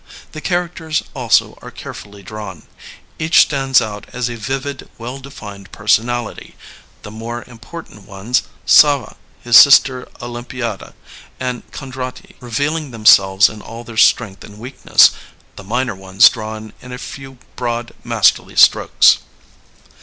The characters also are carefully drawn. Each stands out as a vivid, weU defined personality, the more important ones, Sawa, his sister Olympiada, and Kondraty, revealing themselves in all their strength and weak ness, the minor ones drawn in a few broad, masterly strokes.